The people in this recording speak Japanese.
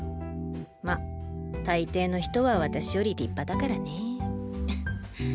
まっ大抵の人は私より立派だからねえ。